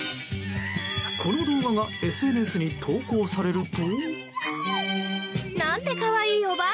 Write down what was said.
この動画がＳＮＳに投稿されると。